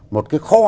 một cái kho